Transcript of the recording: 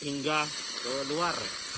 yang ketiga luar